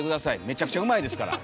めちゃくちゃうまいですから。